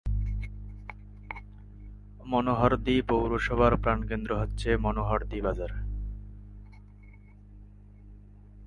মনোহরদী পৌরসভার প্রাণকেন্দ্র হচ্ছে মনোহরদী বাজার।